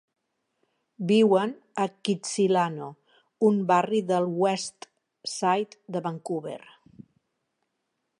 Viuen a Kitsilano, un barri del West Side de Vancouver.